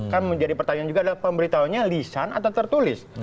kan menjadi pertanyaan juga ada pemeritahuannya lisan atau tertulis